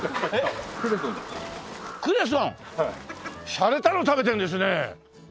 しゃれたの食べてるんですね。